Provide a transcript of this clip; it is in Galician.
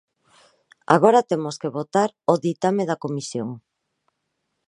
Agora temos que votar o ditame da comisión.